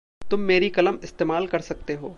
तुम मेरी कलम इस्तेमाल कर सकते हो।